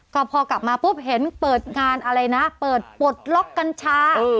ก็พอกลับมาปุ๊บเห็นเปิดงานอะไรนะเปิดปลดล็อกกัญชา